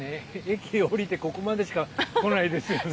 駅を降りてここまでしか、来ないですね。